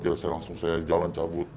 ya saya langsung saya jalan cabut